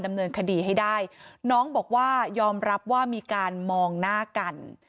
ดำเนินคดีให้ได้น้องบอกว่ายอมรับว่ามีการมองหน้ากัน